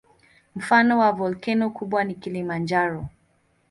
Mfano wa volkeno kubwa ni Kilimanjaro.